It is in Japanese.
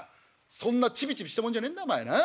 そんなチビチビしたもんじゃねえんだお前な。